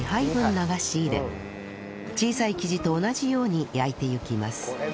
流し入れ小さい生地と同じように焼いていきます